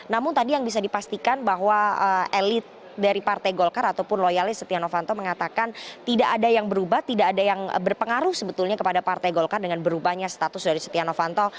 namun tadi yang bisa dipastikan bahwa elit dari partai golkar ataupun loyalis setia novanto mengatakan tidak ada yang berubah tidak ada yang berpengaruh sebetulnya kepada partai golkar dengan berubahnya status dari setia novanto